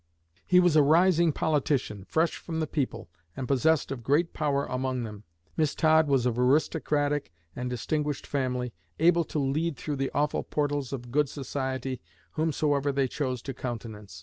He was a rising politician, fresh from the people, and possessed of great power among them. Miss Todd was of aristocratic and distinguished family, able to lead through the awful portals of 'good society' whomsoever they chose to countenance.